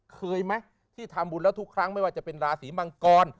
เคยไหมที่ทำบุญแล้วทุกครั้งไม่ว่าจะเป็นราศีมังกร